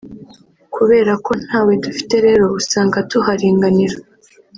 kubera ko ntawe dufite rero usanga tuharenganira